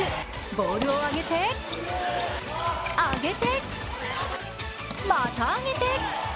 ボールを上げて、上げて、また上げて！